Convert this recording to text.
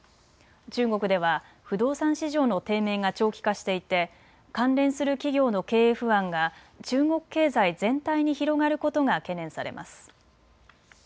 中国では不動産市場の低迷が長期化していて関連する企業の経営不安が中国経済全体に広がることが懸念されます。